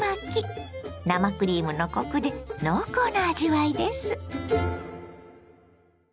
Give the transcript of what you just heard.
生クリームのコクで濃厚な味わいです。